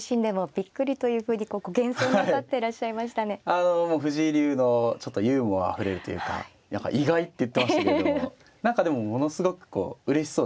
あのもう藤井流のちょっとユーモアあふれるというか何か意外って言ってましたけれども何かでもものすごくこううれしそうでしたね。